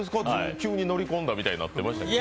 急に乗り込んだみたいになってましたけど。